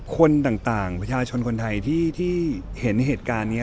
คนต่างประชาชนคนไทยที่เห็นเหตุการณ์นี้